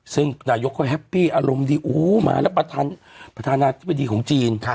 ซึ่งนายกก็แฮปปี้อารมณ์ดีโอ้โหมาแล้วประธานาธิบดีของจีน